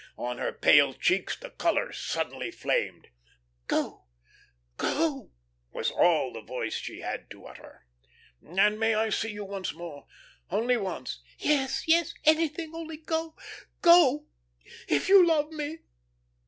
On her pale cheeks the colour suddenly flamed. "Go, go," was all she had voice to utter. "And may I see you once more only once?" "Yes, yes, anything, only go, go if you love me!"